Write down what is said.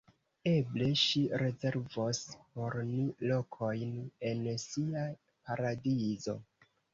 Eble ŝi rezervos por ni lokojn en sia paradizo.